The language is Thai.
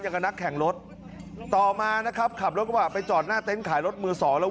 อย่างนักแข่งรถต่อมานะครับครับลูกอัากร้าบไปจอดหน้าเต็ปขายรถมือสองแล้ว